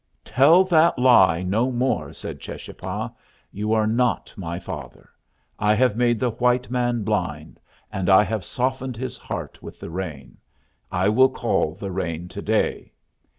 "Tell that lie no more," said Cheschapah. "You are not my father. I have made the white man blind, and I have softened his heart with the rain. I will call the rain to day."